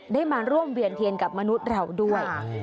ได้มาร่วมเวียนเทียนกับมนุษย์เราด้วย